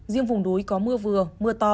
riêng vùng núi có mưa vừa mưa to